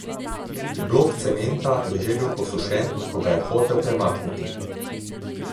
Blok cementa je že bil posušen, ko ga je hotel premakniti.